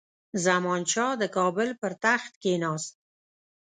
زمانشاه د کابل پر تخت کښېناست.